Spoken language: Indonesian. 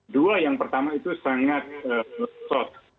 dua yang pertama itu sangat sot